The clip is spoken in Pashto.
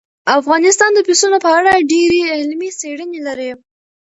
افغانستان د پسونو په اړه ډېرې علمي څېړنې لري.